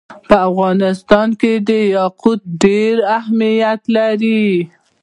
په افغانستان کې یاقوت ډېر اهمیت لري.